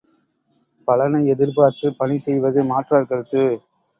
பலனை எதிர்பார்த்துப் பணி செய்வது மாற்றார் கருத்து.